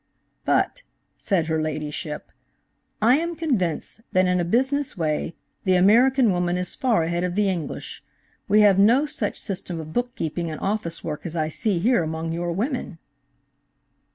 "'But,' said her ladyship, 'I am convinced that in a business way the American woman is far ahead of the English. We have no such system of bookkeeping and office work as I see here among your women.'"